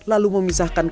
lalu memisahkan kacangnya